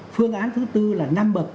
phương án thứ bốn là năm bậc